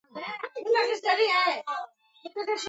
ننګرهار د افغان ښځو په ژوند کې رول لري.